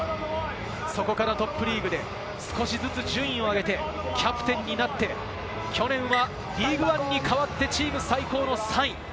そこからトップリーグで少しずつ順位を上げて、キャプテンになって、去年はリーグワンに変わってチーム最高の３位。